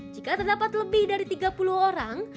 jika terdapat lebih dari tiga puluh orang